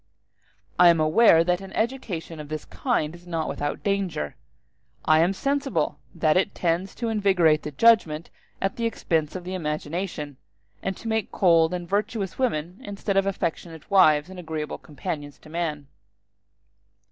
I am aware that an education of this kind is not without danger; I am sensible that it tends to invigorate the judgment at the expense of the imagination, and to make cold and virtuous women instead of affectionate wives and agreeable companions to man.